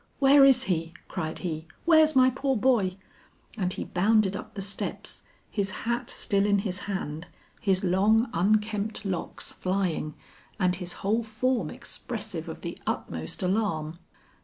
"Where is he?" cried he. "Where's my poor boy?" And he bounded up the steps, his hat still in his hand, his long unkempt locks flying, and his whole form expressive of the utmost alarm.